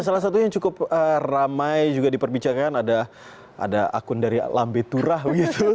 salah satunya yang cukup ramai juga diperbicaraan ada akun dari lambetura gitu